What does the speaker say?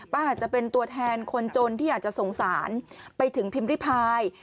อาจจะเป็นตัวแทนคนจนที่อาจจะสงสารไปถึงพิมพ์ริพาย